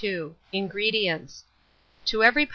INGREDIENTS. To every lb.